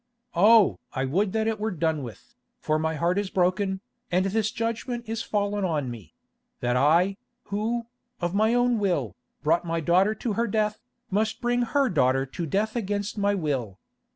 Oh! I would that it were done with, for my heart is broken, and this judgment is fallen on me—that I, who, of my own will, brought my daughter to her death, must bring her daughter to death against my will.